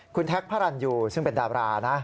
คุณแท็กพระรันยูซึ่งเป็นดารานะ